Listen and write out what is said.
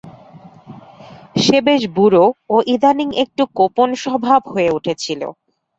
সে বেশ বুড়ো ও ইদানীং একটু কোপনস্বভাব হয়ে উঠেছিল।